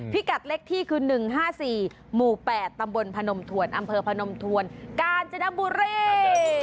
กัดเลขที่คือ๑๕๔หมู่๘ตำบลพนมถวนอำเภอพนมทวนกาญจนบุรี